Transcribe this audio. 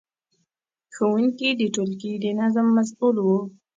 ښوونکي د ټولګي د نظم مسؤل وو.